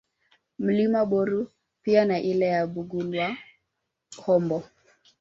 Mlima Boru pia na ile ya Bugulwahombo